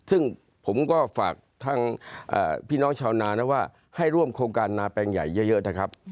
ซึ่งผมก็ฝากทางพี่น้องชาวนานะว่าให้ร่วมโครงการนาแปลงใหญ่เยอะนะครับ